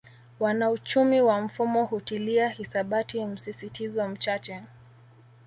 Wanauchumi wa mfumo hutilia hisabati msisitizo mchache